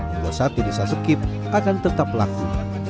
untuk sate desa sekip akan tetap laku